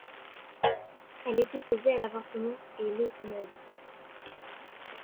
Elle est opposée à l'avortement et l'euthanasie.